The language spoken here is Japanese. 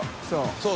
そう。